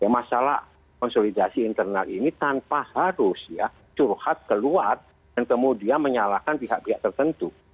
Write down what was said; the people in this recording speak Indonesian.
masalah konsolidasi internal ini tanpa harus ya curhat keluar dan kemudian menyalahkan pihak pihak tertentu